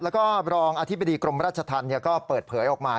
แล้วก็รองอธิบดีกรมราชธรรมก็เปิดเผยออกมา